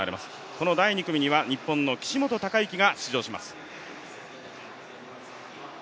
この第２組には日本の岸本鷹幸が出場します。